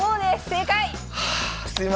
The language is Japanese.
正解！